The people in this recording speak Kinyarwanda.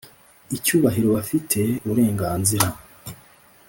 icyubahiro bafite uburenganzira